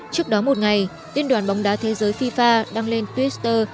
trước đó một ngày liên đoàn bóng đá thế giới fifa đăng lên twitter